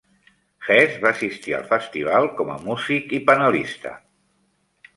Hess va assistir al festival com a músic i panelista.